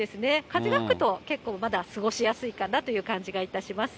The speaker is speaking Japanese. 風が吹くと、結構まだ過ごしやすいかなという感じがいたします。